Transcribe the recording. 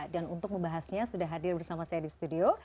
dan untuk membahasnya sudah hadir bersama saya di studio